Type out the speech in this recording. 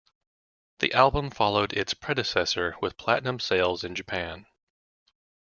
The album followed its predecessor with platinum sales in Japan.